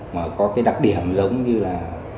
mà có đặc điểm giống như là